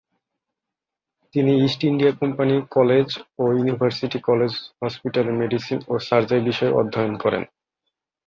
তিনি East India Company College ও University College হসপিটালে মেডিসিন ও সার্জারি বিষয়ে অধ্যয়ন করেন।